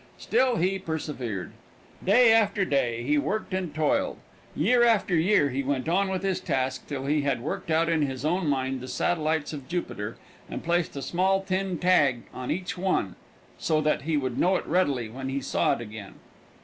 Still he persevered. Day after day he worked and toiled. Year after year he went on with his task till he had worked out in his own mind the satellites of Jupiter and placed a small tin tag on each one, so that he would know it readily when he saw it again.